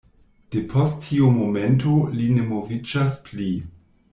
Depost tiu momento, li ne moviĝas pli.